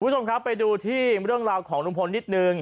คุณผู้ชมครับไปดูที่เรื่องราวของลุงพลนิดนึง